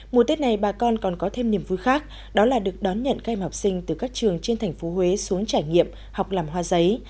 mùa tết này bà con còn có thêm niềm vui khác đó là được đón nhận các em học sinh từ các trường trên thành phố huế xuống trải nghiệm học làm hoa giấy